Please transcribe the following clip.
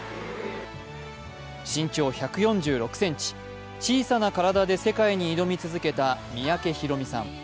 身長１４６ｃｍ、小さな体で世界に挑み続けた三宅宏実さん。